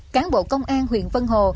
cáng bộ công an huyện vân hồ